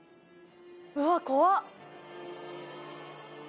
うわ怖っ。